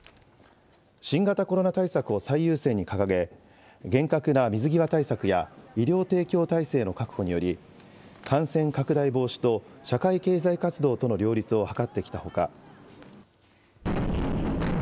新型コロナ対策を最優先に掲げ、厳格な水際対策や医療提供体制の確保により、感染拡大防止と社会経済活動との両立を図ってきたほか。